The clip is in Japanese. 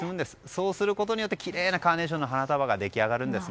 そうすることできれいなカーネーションの花束が出来上がるんです。